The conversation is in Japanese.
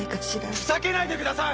ふざけないでください！